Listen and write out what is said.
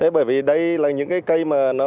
bởi vì đây là những cây